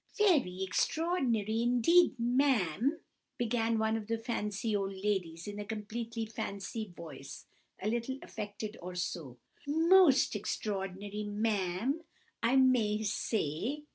"Very extraordinary, indeed, ma'am!" began one of the fancy old ladies, in a completely fancy voice, a little affected, or so. "Most extraordinary, ma'am, I may say!"